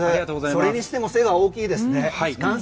それにしても背が大きいですね。